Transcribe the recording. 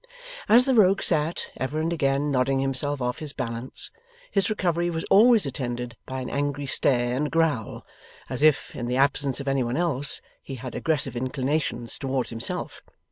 As the Rogue sat, ever and again nodding himself off his balance, his recovery was always attended by an angry stare and growl, as if, in the absence of any one else, he had aggressive inclinations towards himself.